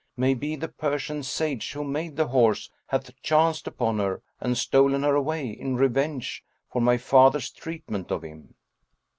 Maybe the Persian sage who made the horse hath chanced upon her and stolen her away, in revenge for my father's treatment of him."